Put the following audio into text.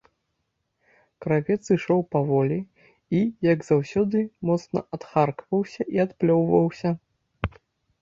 Кравец ішоў паволі і, як заўсёды, моцна адхаркваўся і адплёўваўся.